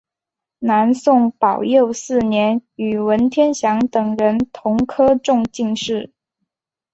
南宋宝佑四年与文天祥等人同科中进士。